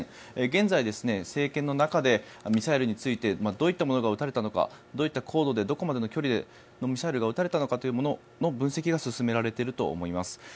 現在政権の中でミサイルについてどういったものが撃たれたのかどういった高度でどこまでの距離のミサイルが撃たれたのかというものの分析が進められていると思います。